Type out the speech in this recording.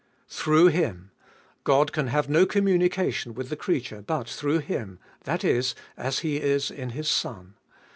1. Through Him ! God can have no communication with the creature but through Him, that is, as He is In His Son.